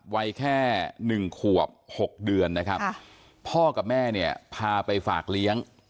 วัยแค่หนึ่งขวบ๖เดือนนะครับพ่อกับแม่เนี่ยพาไปฝากเลี้ยง